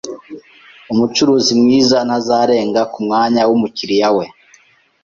Umucuruzi mwiza ntazarenga kumwanya wumukiriya we.